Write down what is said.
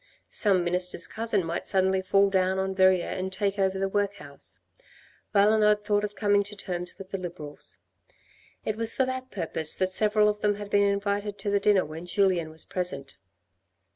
Some minister's cousin might suddenly fall down on Verrieres and take over the workhouse. Valenod thought of coming to terms with the Liberals. It was for that purpose that several of them had been invited to the dinner when Julien was present.